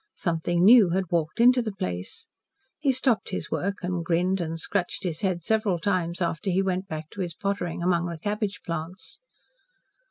Something new had walked into the place. He stopped his work and grinned and scratched his head several times after he went back to his pottering among the cabbage plants.